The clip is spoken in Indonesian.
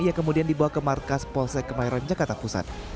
ia kemudian dibawa ke markas polsek kemayoran jakarta pusat